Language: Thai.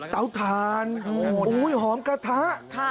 เตาทานโอ้โฮหอมกระทะ